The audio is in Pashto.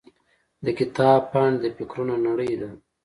د کتاب پاڼې د فکرونو نړۍ ده.